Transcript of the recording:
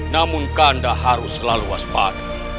namun kakanda harus selalu waspada